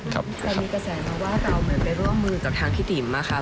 ใครมีกระแสว่วว่าเกาเหมือนไปร่วมมือกับทางพิธีมาคะ